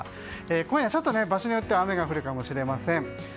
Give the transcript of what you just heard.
今夜、ちょっと場所によっては雨が降るかもしれません。